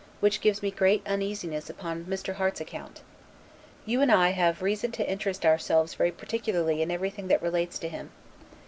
which gives me great uneasiness upon Mr. Harte's account. You and I have reason to interest ourselves very particularly in everything that relates to him.